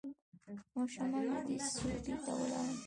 او شمال لوېدیځې صوبې ته ولاړل.